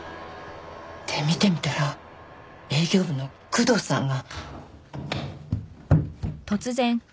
で見てみたら営業部の工藤さんが。